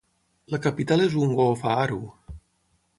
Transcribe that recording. La capital és Ungoofaaru.